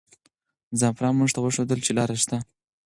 زعفران موږ ته وښودل چې لاره شته.